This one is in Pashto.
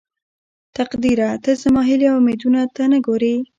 تقديره ته زما هيلې او اميدونه ته نه ګورې.